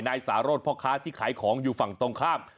นายสารสพ่อค้าที่ขายของอยู่ฝั่งตรงข้าม